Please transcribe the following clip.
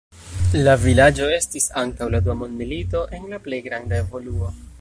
La vilaĝo estis antaŭ la dua mondmilito en la plej granda evoluo.